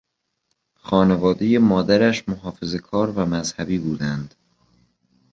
خانوادهی مادرش محافظه کار و مذهبی بودند.